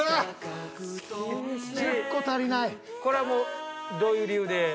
これもうどういう理由で？